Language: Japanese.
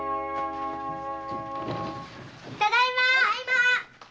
ただいま！